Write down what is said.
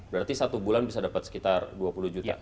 berarti satu bulan bisa dapat sekitar dua puluh juta